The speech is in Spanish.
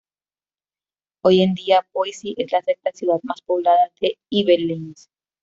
Hoy en día Poissy es la sexta ciudad más poblada de Yvelines.